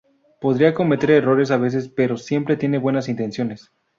Podría cometer errores a veces, pero siempre tiene buenas intenciones.